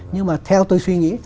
nhưng mà theo tôi suy nghĩ